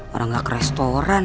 orang gak ke restoran